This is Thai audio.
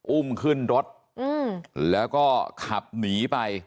อุ้มขึ้นรถแล้วก็ขับหนีไป